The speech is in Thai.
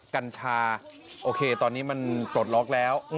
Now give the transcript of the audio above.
กัญชาโอเคตอนนี้มันปลดล็อกแล้ว